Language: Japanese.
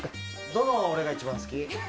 どの俺が一番好き？